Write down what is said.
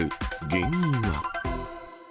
原因は？